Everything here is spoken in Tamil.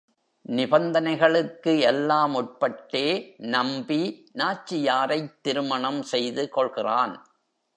நிபந்தனைகளுக்கு எல்லாம் உட்பட்டே நம்பி, நாச்சியாரைத் திருமணம் செய்து கொள்கிறான்.